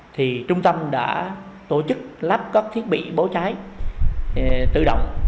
thì trung tâm đã tổ chức lắp các thiết bị bố cháy tự động